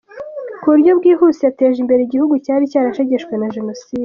Ku buryo bwihuse yateje imbere igihugu cyari cyarashegeshwe na Jenoside.